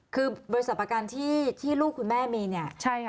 คือบริษัทประกันที่ลูกคุณแม่มีเนี่ย